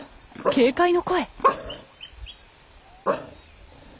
警戒の声！